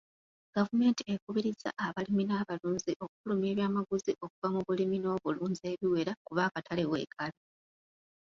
Gavumenti ekubiriza abalimi n'abalunzi okufulumya ebyamaguzi okuva mu bulimi n'obulunzi ebiwera kuba akatale weekali.